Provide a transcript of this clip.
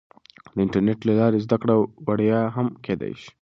د انټرنیټ له لارې زده کړه وړیا هم کیدای سي.